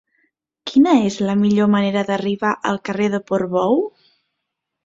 Quina és la millor manera d'arribar al carrer de Portbou?